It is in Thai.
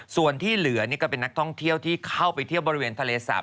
ส่วนที่เหลือนี่ก็เป็นนักท่องเที่ยวที่เข้าไปเที่ยวบริเวณทะเลสาป